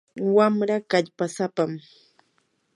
wamraa kallpasapam.